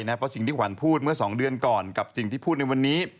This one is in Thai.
เพราะสิ่งที่ขวัญพูดเมื่อ๒เดือนก่อนกับสิ่งที่พูดในวันนี้